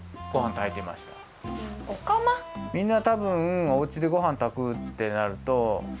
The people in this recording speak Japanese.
みんなたぶんおうちでごはんたくってなると。